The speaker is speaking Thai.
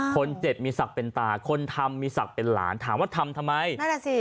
คนเจ็บมีศักดิ์เป็นตาคนทำมีศักดิ์เป็นหลานถามว่าทำทำไมนั่นแหละสิ